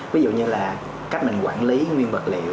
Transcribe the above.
ví dụ như là cách mình quản lý nguyên vật liệu